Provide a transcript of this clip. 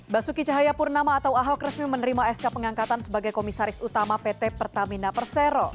basuki cahayapurnama atau ahok resmi menerima sk pengangkatan sebagai komisaris utama pt pertamina persero